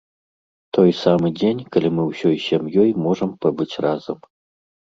Той самы дзень, калі мы ўсёй сям'ёй можам пабыць разам.